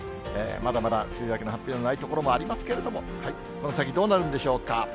まだまだ梅雨明けの発表のない所もありますけれども、この先どうなるんでしょうか。